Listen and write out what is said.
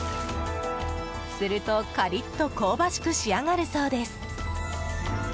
すると、カリッと香ばしく仕上がるそうです。